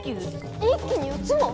一気に４つも？